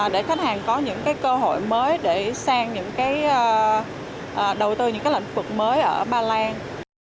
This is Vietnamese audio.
để khách hàng có những cơ hội mới để sang những cái đầu tư những cái lệnh phục mới ở ba lan